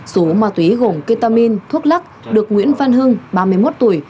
số ma túy gồm ketamin thuốc lắc được nguyễn văn hưng ba mươi một tuổi